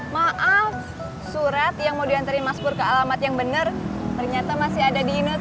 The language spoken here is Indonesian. maaf surat yang mau diantarin mas pur ke alamat yang benar ternyata masih ada di inut